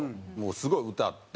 すごい歌って。